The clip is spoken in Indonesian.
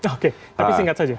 oke tapi singkat saja